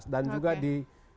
dan juga di